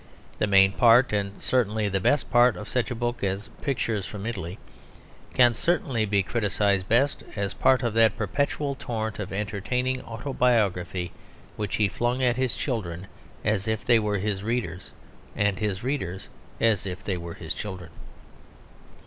The main part, and certainly the best part, of such a book as Pictures from Italy can certainly be criticised best as part of that perpetual torrent of entertaining autobiography which he flung at his children as if they were his readers and his readers as if they were his children.